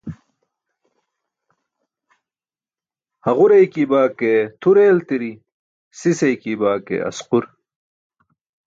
Haġur eykiybaa ke tʰur eeltiri, sis eykiybaa ke asqur.